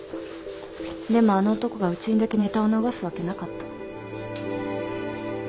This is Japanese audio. でもあの男がうちにだけネタを流すわけなかった。